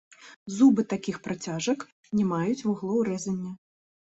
Зубы такіх працяжак не маюць вуглоў рэзання.